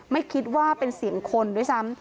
ไม่คิดว่าเป็นเสียงคนด้วยซ้ำ